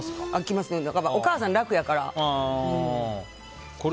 お母さんが楽やから。